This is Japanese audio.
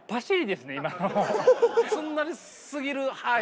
すんなりすぎる。